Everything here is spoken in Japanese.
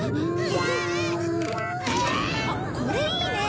あっこれいいね！